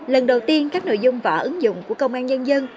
lần đầu tiên các nội dung võ ứng dụng của công an nhân dân